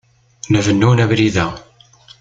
La bennun abrid-a.